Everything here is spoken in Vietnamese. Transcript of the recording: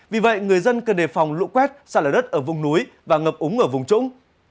vì vậy người dân cần đề phòng lũ quét xa lở đất ở vùng núi và ngập úng ở vùng trũng